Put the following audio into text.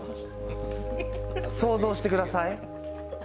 想像してください。